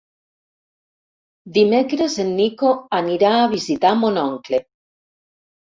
Dimecres en Nico anirà a visitar mon oncle.